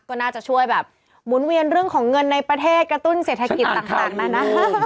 ก็น่าจะช่วยแบบหมุนเวียนเรื่องของเงินในประเทศกระตุ้นเศรษฐกิจต่างนะนะ